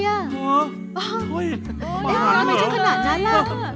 มาหาไม่ใช่ขนาดนั้นละ